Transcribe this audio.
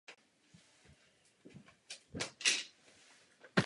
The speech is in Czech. Podle náměstí se právě měla původně stanice metra jmenovat.